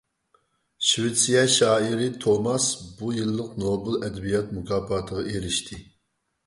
شىۋېتسىيە شائىرى توماس بۇ يىللىق نوبېل ئەدەبىيات مۇكاپاتىغا ئېرىشتى.